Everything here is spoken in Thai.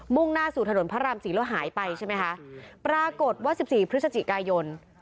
่งหน้าสู่ถนนพระรามสี่แล้วหายไปใช่ไหมคะปรากฏว่าสิบสี่พฤศจิกายน